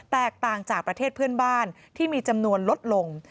แตกต่างจากประเทศเพื่อนบ้านที่มีจำนวนลดลง